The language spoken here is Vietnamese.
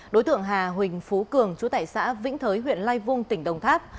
đối thượng hà huỳnh phú cường chú tài xã vĩnh thới huyện lai vung tỉnh đồng tháp